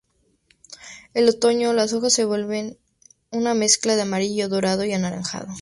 En otoño, las hojas se vuelven una mezcla de amarillo, dorado y anaranjado.